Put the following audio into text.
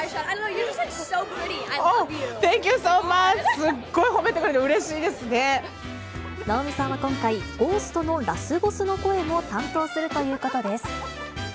すっごい褒めてくれて、直美さんは今回、ゴーストのラスボスの声も担当するということです。